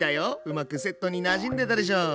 うまくセットになじんでたでしょう？